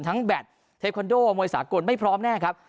แบตเทคอนโดมวยสากลไม่พร้อมแน่ครับ